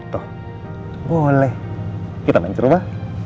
tuh boleh kita main di rumah